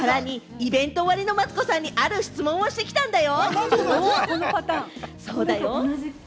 イベント終わりのマツコさんにある質問をしてきたんだよ。